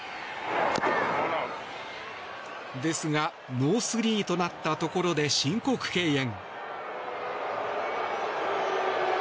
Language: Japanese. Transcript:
ですが、ノースリーとなったところで申告敬遠。